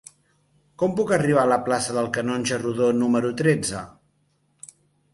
Com puc arribar a la plaça del Canonge Rodó número tretze?